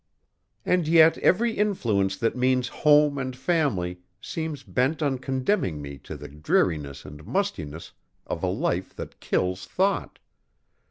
"And yet every influence that means home and family seems bent on condemning me to the dreariness and mustiness of a life that kills thought.